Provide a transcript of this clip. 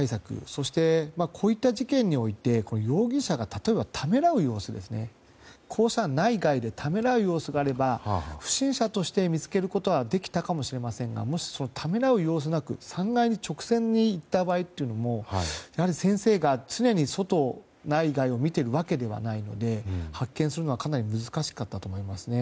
そして、こういった事件において容疑者が例えば校舎内外でためらう様子があれば不審者として見つけることはできたかもしれませんがもし、ためらう様子がなく３階に直線で行った場合というのはやはり、先生が常に内外を見ているわけではないので発見するのはかなり難しかったと思いますね。